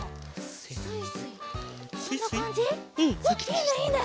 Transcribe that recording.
いいねいいね！